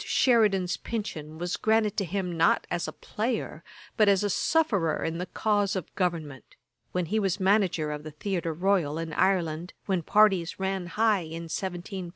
Sheridan's pension was granted to him not as a player, but as a sufferer in the cause of government, when he was manager of the Theatre Royal in Ireland, when parties ran high in 1753.